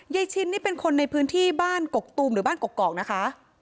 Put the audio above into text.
ชิ้นนี่เป็นคนในพื้นที่บ้านกกตูมหรือบ้านกกอกนะคะ